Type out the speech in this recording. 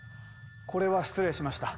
これは失礼しました。